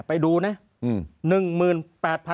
ไปดูนะ